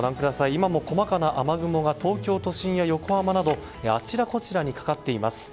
今も細かな雨雲が東京都心や横浜などあちらこちらにかかっています。